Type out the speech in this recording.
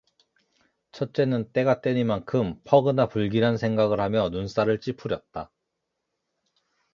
첫째는 때가 때니만큼 퍽으나 불길한 생각을 하며 눈살을 찌푸렸다.